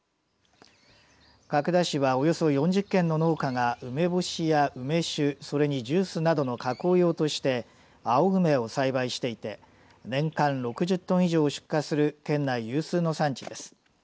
角田市はおよそ４０軒の農家が梅干しや梅酒それにジュースなどの加工用として青梅を栽培していて年間６０トン以上を出荷する県内有数の産地です。